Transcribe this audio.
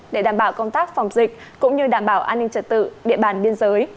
để đảm bảo công tác phòng dịch cũng như đảm bảo an ninh trật tự địa bàn biên giới